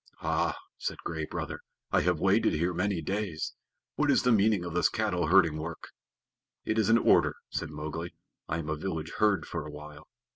"Ah," said Gray Brother, "I have waited here very many days. What is the meaning of this cattle herding work?" "It is an order," said Mowgli. "I am a village herd for a while.